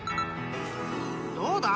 ［どうだ？